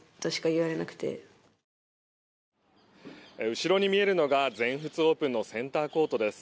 後ろに見えるのが全仏オープンのセンターコートです。